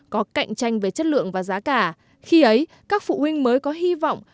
có cạnh tranh về chất lượng và giá cả khi ấy các phụ huynh mới có hy vọng